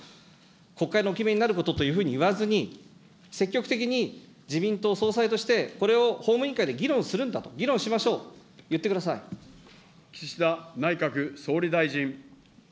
国会でお決めになることと言わずに、積極的に自民党総裁として、これを法務委員会で議論するんだと、議論しましょうと言ってくだ岸田内閣総理大臣。